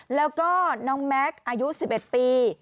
แล้วก็น้องแม็กซ์อายุ๑๑ปี